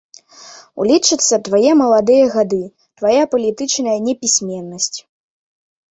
Улічацца твае маладыя гады, твая палітычная непісьменнасць.